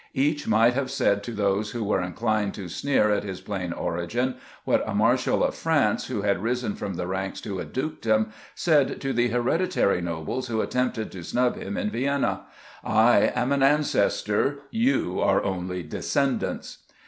Each might have said to those who were incHned to sneer at his plain origin what a marshal of France, who had risen from the ranks to a dukedom, said to the hereditary nobles who attempted to snub him in Vienna :" I am an ancestor ; you are only descendants."